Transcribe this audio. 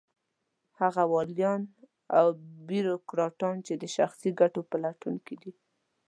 هغه واليان او بېروکراټان چې د شخصي ګټو په لټون دي.